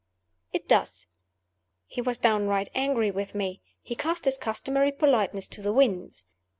"It does." He was downright angry with me. He cast his customary politeness to the winds.